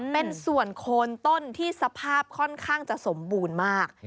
เป็นส่วนโคนต้นที่สภาพค่อนข้างจะสมบูรณ์มาก